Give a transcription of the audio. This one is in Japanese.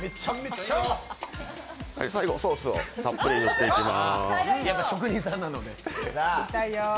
最後、ソースをたっぷり塗っていきます。